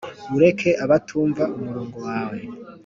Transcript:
ureke abatumva umurongo wawe